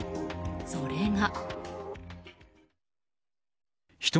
それが。